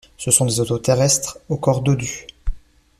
Ce sont des oiseux terrestres au corps dodu.